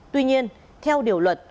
tuy nhiên theo điều luật